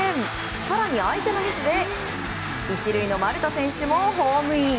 更に、相手のミスで１塁の丸田選手もホームイン。